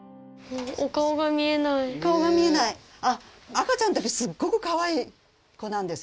赤ちゃんの時すっごくかわいい子なんです。